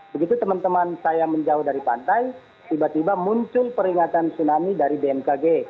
begitu teman teman saya menjauh dari pantai tiba tiba muncul peringatan tsunami dari bmkg